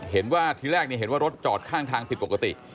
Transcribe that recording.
เห็นว่าทีแรกเห็นว่ารถจอดข้างทางผิดปกติ